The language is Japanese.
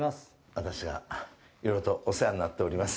私がいろいろとお世話になっております。